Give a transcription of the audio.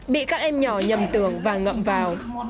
bị các em nhỏ nhầm tưởng và ngậm vào